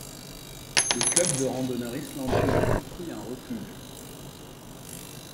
Le club de randonneurs islandais y a construit un refuge.